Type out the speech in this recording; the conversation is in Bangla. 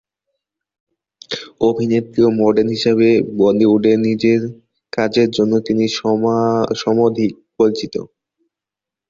অভিনেত্রী এবং মডেল হিসেবে বলিউডে নিজের কাজের জন্য তিনি সমধিকপরিচিত।